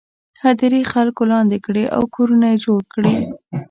هدیرې خلکو لاندې کړي او کورونه یې جوړ کړي.